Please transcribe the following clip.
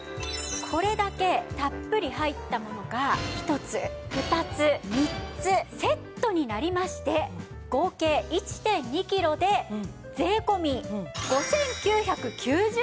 これだけたっぷり入ったものが１つ２つ３つセットになりまして合計１．２キロで税込５９９０円です。